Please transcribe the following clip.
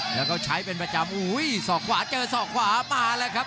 แล้วก็ใช้เป็นประจำอุ้ยสอกขวาเจอศอกขวามาแล้วครับ